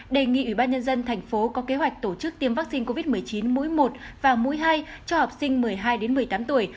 đề nghị ủy ban nhân dân thành phố có kế hoạch tổ chức tiêm vaccine covid một mươi chín mũi một và mũi hai cho học sinh một mươi hai một mươi tám tuổi